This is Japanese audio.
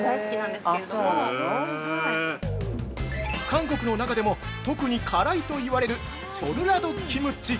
◆韓国の中でも特に辛いといわれるチョルラドキムチ。